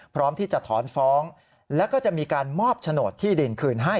พร้อมที่จะถอนฟ้องแล้วก็จะมีการมอบโฉนดที่ดินคืนให้